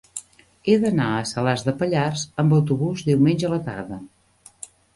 He d'anar a Salàs de Pallars amb autobús diumenge a la tarda.